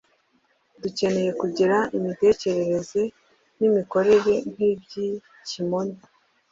Dukeneye kugira imitekerereze n’imikorere nkiby’ikimonyo.